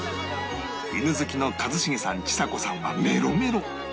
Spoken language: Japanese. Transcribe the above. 犬好きの一茂さんちさ子さんはメロメロ